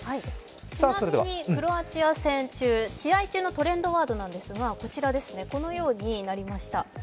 ちなみに、クロアチア戦の試合中のトレンドワードですが、このようになりました。